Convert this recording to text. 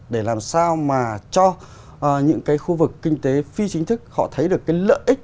để làm sao mà cho những cái khu vực kinh tế phi chính thức họ thấy được cái lợi ích